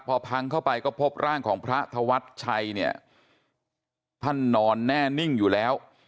พอพังเข้าไปก็พบร่างของพระธวัชชัยเนี่ยท่านนอนแน่นิ่งอยู่แล้ว